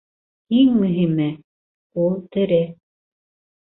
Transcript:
Иң мөһиме - ул тере.